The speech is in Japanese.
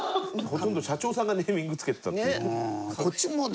ほとんど社長さんがネーミング付けてたっていう。